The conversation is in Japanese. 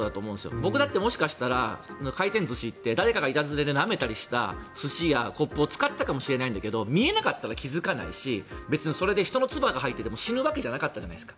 僕だって、もしかしたら回転寿司に行って誰かがいたずらでなめたりした寿司やコップを使っていたかもしれないんだけど見えなかったら気付かないし人のつばが入っていても死ぬわけじゃなかったじゃないですか。